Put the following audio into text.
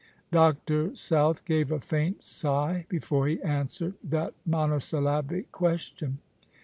Dr. South gave a faint sigh before he answered that monosyllabic question.